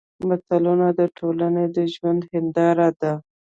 متلونه د ټولنې د ژوند هېنداره ده